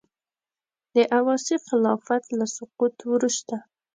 د عباسي خلافت له سقوط وروسته.